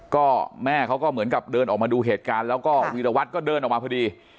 ก็แม่เขาก็เหมือนกับเดินออกมาดูเหตุการณ์แล้วก็วีรวัตรก็เดินออกมาพอดี